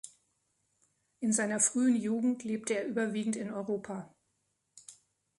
In seiner frühen Jugend lebte er überwiegend in Europa.